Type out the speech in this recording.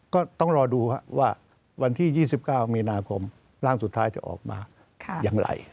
ก็ต้องรอดูว่าวันที่๒๙มีนาคมร่างสุดท้ายจะออกมาอย่างไร